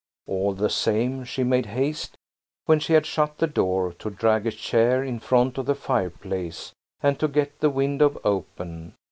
All the same she made haste, when she had shut the door, to drag a chair in front of the fireplace and to get the window open.